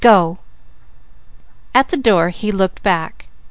Go!" At the door he looked back.